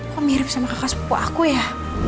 kok mirip sama kakak sepupu aku ya